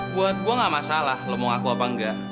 buat gue ga masalah lo mau ngaku apa engga